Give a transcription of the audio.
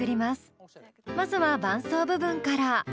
まずは伴奏部分から。